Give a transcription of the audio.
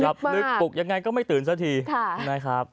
หลับลึกปลุกยังไงก็ไม่ตื่นสักทีขอบคุณครับ